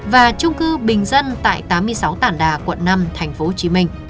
và trung cư bình dân tại tám mươi sáu tản đà quận năm tp hcm